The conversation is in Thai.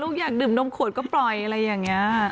ลูกอยากดื่มโดมขวดก็ปล่อยอะไรอย่างเงี้ย